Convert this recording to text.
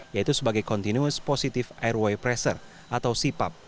yaitu sebagai continuous positive airway pressure atau sipap